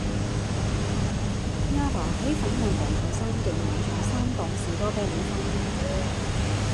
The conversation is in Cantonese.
亞爸喺粉嶺皇后山徑買左三磅士多啤梨返屋企